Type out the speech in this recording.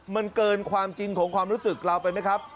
มันเกินความจริงของความรู้สึกเราไปไหมครับ